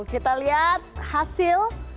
kita lihat hasil